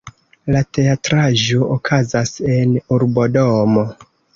La teatraĵo okazas en urbodomo.